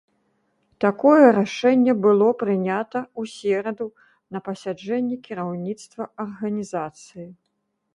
Такое рашэнне было прынята ў сераду на пасяджэнні кіраўніцтва арганізацыі.